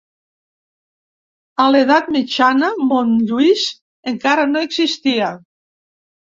A l'Edat Mitjana, Montlluís encara no existia.